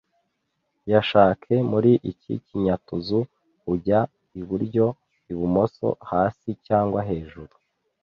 Yashake muri iki kinyatuzu ujya iburyo ibumoso hasi cyangwa hejuru